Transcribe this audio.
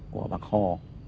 của bạc hồ